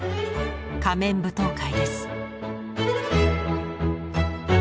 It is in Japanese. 仮面舞踏会です。